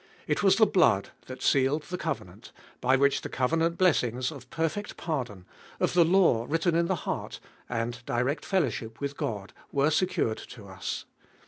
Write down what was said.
It was the blood that sealed the covenant, by which the covenant blessings of perfect pardon, of the law written in the heart, and direct fellowship with God were secured to us.